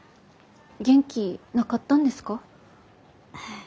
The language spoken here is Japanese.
元気なかったんですか？